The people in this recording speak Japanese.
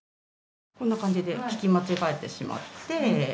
こんな感じで聞き間違えてしまって。